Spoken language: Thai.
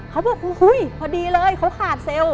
เขาบอกอุ้ยพอดีเลยเขาขาดเซลล์